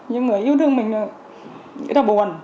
những người yêu thương mình là bồn